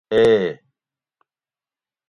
اے